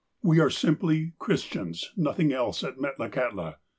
We are simply 'Christians,' nothing else, at Metlakahtla.